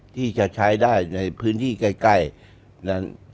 ที่จะใช้ได้ในพื้นที่ใกล้นั้น